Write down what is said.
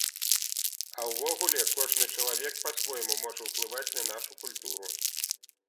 А ўвогуле, кожны чалавек па-свойму можа ўплываць на нашу культуру.